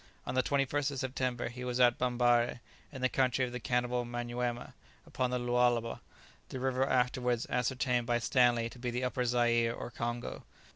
On the 21st of September he was at Bambarré, in the country of the cannibal Manyuema, upon the Lualaba, the river afterwards ascertained by Stanley to be the Upper Zaire or Congo.